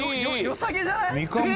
「よさげじゃない？」